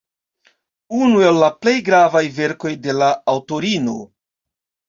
Unu el la plej gravaj verkoj de la aŭtorino.